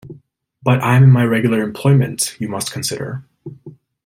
But I am in my regular employment, you must consider.